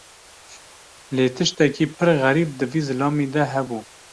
Lê tiştekî pir xerîb di vî zilamî de hebû.